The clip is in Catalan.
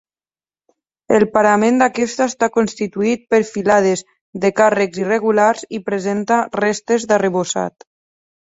El parament d'aquesta està constituït per filades de carreus irregulars i presenta restes d'arrebossat.